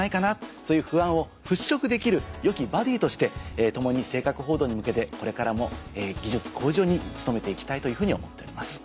そういう不安を払拭できるよきバディとして共に正確報道に向けてこれからも技術向上に努めて行きたいというふうに思っております。